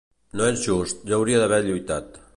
No és just, jo hauria d'haver lluitat.